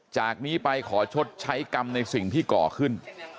จากนี้ไปขอชดใช้กรรมในสิ่งที่ก่อขึ้น